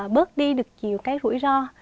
bớt đi được nhiều cái rủi ro